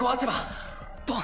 ボン！